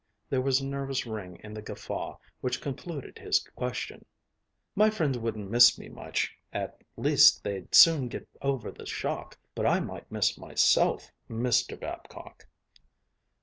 There was a nervous ring in the guffaw which concluded his question. "My friends wouldn't miss me much; at least they'd soon get over the shock; but I might miss myself, Mr. Babcock."